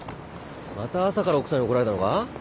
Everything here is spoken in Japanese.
また朝から奥さんに怒られたのか？